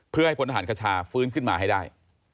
เพื่อให้พลทหารคชาฟื้นขึ้นมาให้ได้